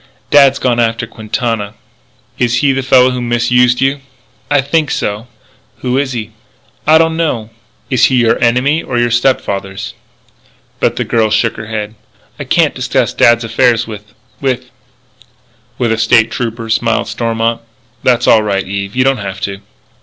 "Dad's gone after Quintana." "Is he the fellow who misused you?" "I think so." "Who is he?" "I don't know." "Is he your enemy or your stepfather's?" But the girl shook her head: "I can't discuss dad's affairs with with " "With a State Trooper," smiled Stormont. "That's all right, Eve. You don't have to."